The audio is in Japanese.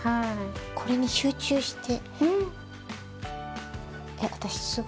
これに集中して。